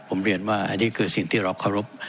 ผมเรียนว่าอันนี้คือสิ่งที่เราเคารพ